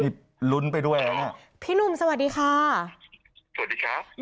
นี่ลุ้นไปด้วยแล้วเนี่ยพี่หนุ่มสวัสดีค่ะสวัสดีครับ